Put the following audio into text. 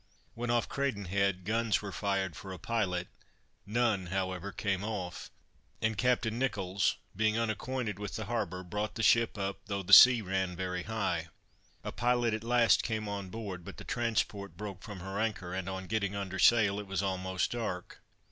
When off Credenhead, guns were fired for a pilot; none, however, came off, and Captain Nicholls, being unacquainted with the harbor, brought the ship up, though the sea ran very high. A pilot at last came on board, but the transport broke from her anchor, and on getting under sail, it was almost dark.